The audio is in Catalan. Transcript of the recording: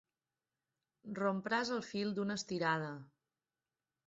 Rompràs el fil d'una estirada.